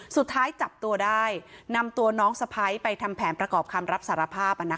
สุดท้ายจับตัวได้นำตัวน้องสะพ้ายไปทำแผนประกอบคำรับสารภาพ